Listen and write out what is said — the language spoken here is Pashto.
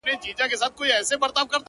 ژړا خــود نــــه ســـــــې كـــــــولاى~